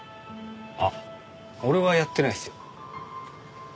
あっ俺はやってないっすよ。